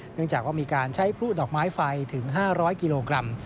เนื่องจากว่ามีการใช้พลุดอกไม้ไฟถึง๕๐๐กิโลกรัม